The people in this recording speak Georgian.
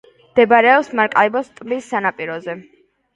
მდებარეობს მარაკაიბოს ტბის სანაპიროზე.